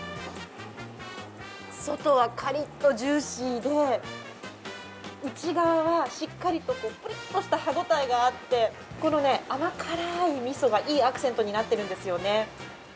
外はカリッとジューシーで内側はしっかりとぷりっとした歯応えがあってこの甘辛いみそがいいアクセントになっているんですよね。